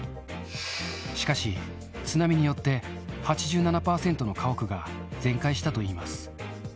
しかし、津波によって８７％の家屋が全壊したといいます。